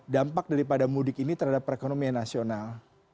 dampak daripada mudik ini terhadap perekonomian nasional